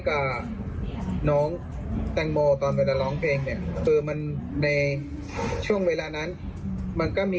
ขอบคุณราชาหน่อยค่ะ